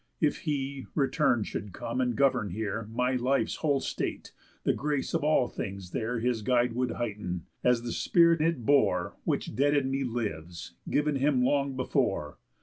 If he, return'd, should come and govern here My life's whole state, the grace of all things there His guide would heighten, as the spirit it bore; Which dead in me lives, giv'n him long before.